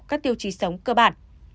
các tiêu chí sống cơ bản